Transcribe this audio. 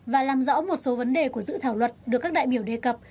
và làm rõ một số vấn đề của dự thảo luật được các đại biểu đề cập